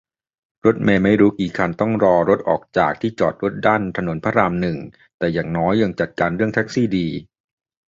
รถเมล์ไม่รู้กี่คันต้องรอรถออกจากที่จอดรถด้านถนนพระรามหนึ่ง แต่อย่างน้อยยังจัดการเรื่องแท็กซี่ดี